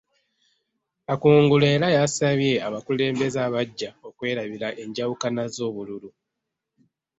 Kakungulu era yasabye abakulembeze abaggya okwerabira enjawukana z'obululu